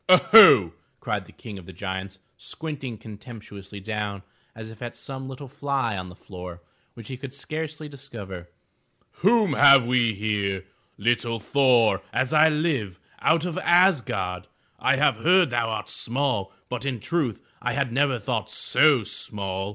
Oho!'* cried the King of the Giants, squinting contemptuously down as if at some little fly on the floor, which he could scarcely discover. *'Whom have we here? Little Thor, as I live, out of Asgard. I have heard thou art small, but in truth I had never thought so small!